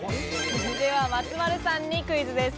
では松丸さんにクイズです。